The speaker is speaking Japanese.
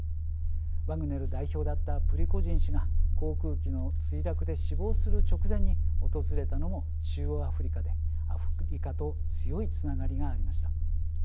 ワグネル代表だったプリゴジン氏が航空機の墜落で死亡する直前に訪れたのも中央アフリカでアフリカと強いつながりがありました。